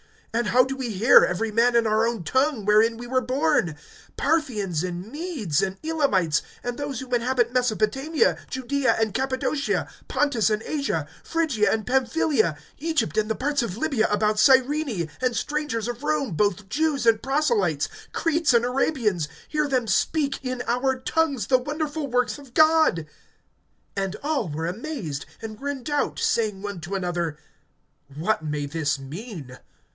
(8)And how do we hear, every man in our own tongue, wherein we were born, (9)Parthians and Medes and Elamites, and those who inhabit Mesopotamia, Judaea and Cappadocia, Pontus and Asia, (10)Phrygia and Pamphylia, Egypt and the parts of Libya about Cyrene, and strangers of Rome, both Jews and proselytes, (11)Cretes and Arabians, hear them speak in our tongues the wonderful works of God? (12)And all were amazed, and were in doubt, saying one to another: What may this mean?